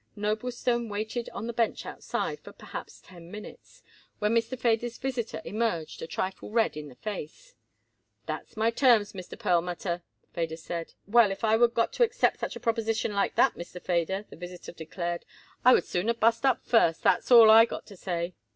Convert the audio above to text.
Noblestone waited on the bench outside for perhaps ten minutes, when Mr. Feder's visitor emerged, a trifle red in the face. "That's my terms, Mr. Perlmutter," Feder said. "Well, if I would got to accept such a proposition like that, Mr. Feder," the visitor declared, "I would sooner bust up first. That's all I got to say."